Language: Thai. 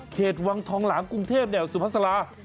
วังทองหลางกรุงเทพแนวสุภาษาลา